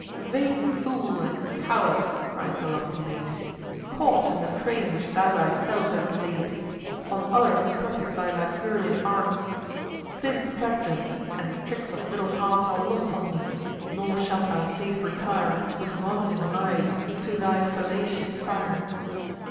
"Vain fool, and coward!" cries the lofty maid, "Caught in the train which thou thyself hast laid! On others practice thy Ligurian arts; Thin stratagems and tricks of little hearts Are lost on me: nor shalt thou safe retire, With vaunting lies, to thy fallacious sire."